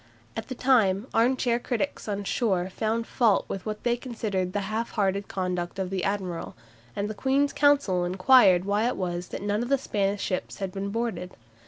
At the time arm chair critics on shore found fault with what they considered the half hearted conduct of the admiral, and the Queen's Council inquired why it was that none of the Spanish ships had been boarded.